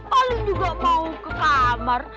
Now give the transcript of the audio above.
paling juga mau ke kamar